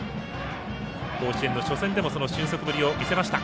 甲子園の初戦でも俊足ぶりを見せました。